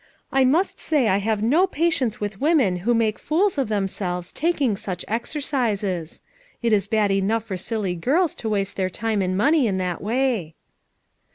I must say I have no patience with women who make fools of them selves taking such exercises. It is bad enough for silly girls to waste their time and money in that way."